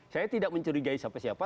saya tidak mencurigai siapa siapa